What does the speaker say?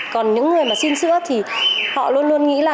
còn những người mà xin sữa thì họ luôn luôn nghĩ là